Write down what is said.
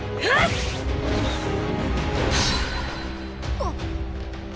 あっ！